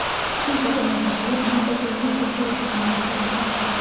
თუმცა, ყველაზე ხშირად მას პოპულარულ კულტურაში გამოიყენებენ.